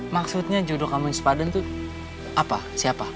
maksudnya jodoh kamu yang sepadan tuh apa siapa